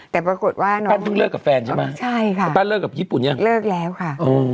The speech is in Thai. แต่ปรากฏว่าน้องปั้นเพิ่งเลิกกับแฟนใช่ไหมใช่ค่ะปั้นเลิกกับญี่ปุ่นยังเลิกแล้วค่ะ